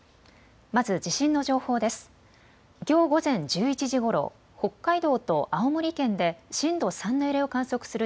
まず地震の情報です。